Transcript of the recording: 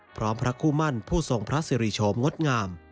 พระคู่มั่นผู้ทรงพระสิริโชมงดงาม